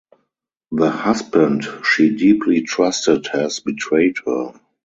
The husband she deeply trusted has betrayed her.